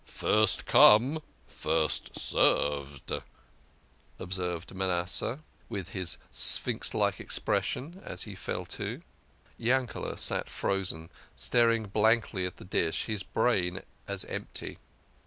First come, first served," observed Manasseh, with his sphinx like expression, as he fell to. Yankel sat frozen, staring blankly at the dish, his brain as empty.